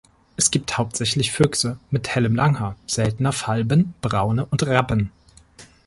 Es gibt hauptsächlich Füchse mit hellem Langhaar, seltener Falben, Braune und Rappen.